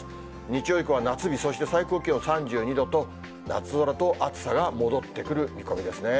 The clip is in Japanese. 日曜以降は夏日、そして最高気温３２度と、夏空と暑さが戻ってくる見込みですね。